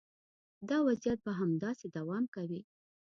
دا وضعیت به همداسې دوام کوي.